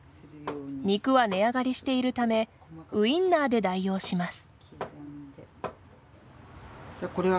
肉は値上がりしているためウインナーで代用します。